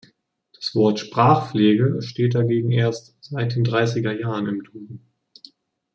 Das Wort „Sprachpflege“ steht dagegen erst seit den dreißiger Jahren im Duden.